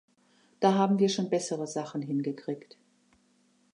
Da haben wir schon bessere Sachen hingekriegt.